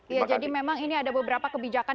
ya jadi memang ini ada beberapa kebijakan